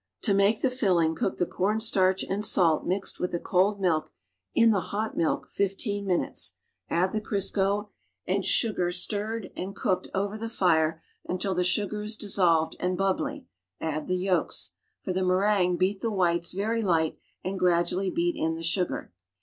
'i'o make the filling, cook the cornstarch and salt mixed with the cold milk in the hot milk fifteen minutes; add the Crisco and sugar stirred and cooked over the fire until the sugar is dissolved and bubbly; add the yolks. For the meringue beat the whites, very light, and gradually beat in the sugar.